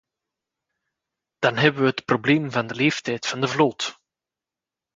Dan hebben we het probleem van de leeftijd van de vloot.